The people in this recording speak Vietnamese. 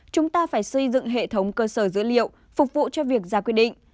chúng ta phải xây dựng hệ thống cơ sở dữ liệu phục vụ cho việc ra quy định